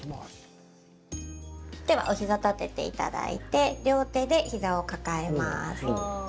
ではお膝を立てていただいて両手で膝を抱えます。